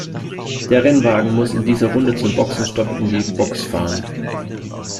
Der Rennwagen muss in dieser Runde zum Boxenstopp in die Box fahren.